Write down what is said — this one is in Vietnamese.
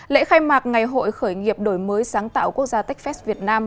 lễ khai mạc ngày hội khởi nghiệp đổi mới sáng tạo quốc gia techfest việt nam